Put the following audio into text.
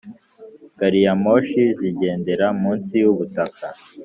Gariyamoshi zigendera munsi y ubutaka